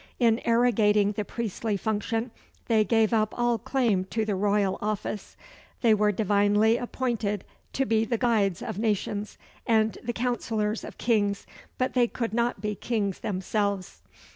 In arrogating the priestly function, they gave up all claim to the royal office. They were divinely appointed to be the guides of nations and the counsellors of kings, but they could not be kings themselves.